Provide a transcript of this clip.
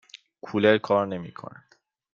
کولر کار نمی کند.